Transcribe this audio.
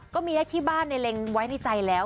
ก็มีเลขที่บ้านในเล็งไว้ในใจแล้ว